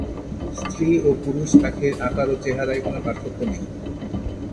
স্ত্রী ও পুরুষ পাখির আকার ও চেহারায় কোন পার্থক্য নেই।